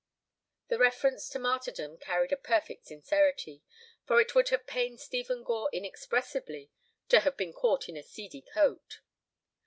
The reference to martyrdom carried a perfect sincerity, for it would have pained Stephen Gore inexpressibly to have been caught in a seedy coat.